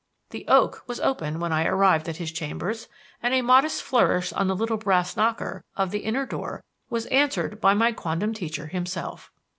The "oak" was open when I arrived at his chambers, and a modest flourish on the little brass knocker of the inner door was answered by my quondam teacher himself.